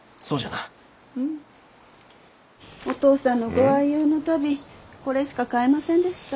お義父さんのご愛用の足袋これしか買えませんでした。